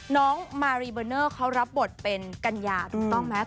น้องมารีเบอร์เนอร์เขารับบทเป็นกัญญาถูกต้องไหม